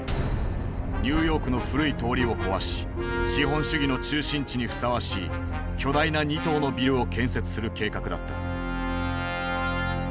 ニューヨークの古い通りを壊し資本主義の中心地にふさわしい巨大な２棟のビルを建設する計画だった。